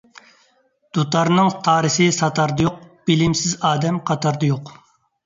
دۇتارنىڭ تارىسى ساتاردا يوق، بىلىمسىز ئادەم قاتاردا يوق.